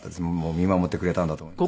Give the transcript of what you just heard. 見守ってくれたんだと思います。